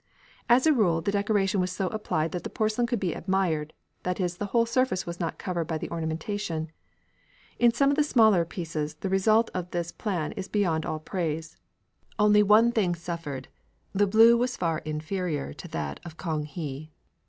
As a rule, the decoration was so applied that the porcelain could be admired that is, the whole surface was not covered by the ornamentation. In some of the smaller pieces the result of this plan is beyond all praise. Only one product suffered. The blue was far inferior to that of Kang he.